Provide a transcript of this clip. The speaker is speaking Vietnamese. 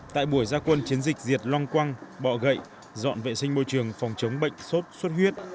tại buổi gia quân chiến dịch diệt long quăng bọ gậy dọn vệ sinh môi trường phòng chống bệnh sốt xuất huyết